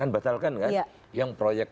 batalkan kan yang proyek